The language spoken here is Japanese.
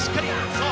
そう！」。